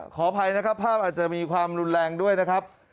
ขออภัยนะครับภาพอาจจะมีความรุนแรงด้วยนะครับ